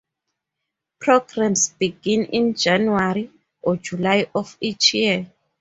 Programs begin in January or July of each year.